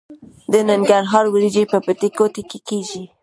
د ننګرهار وریجې په بټي کوټ کې کیږي.